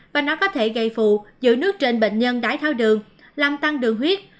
và nó có thể gây phụ giữ nước trên bệnh nhân đái thao đường làm tăng đường huyết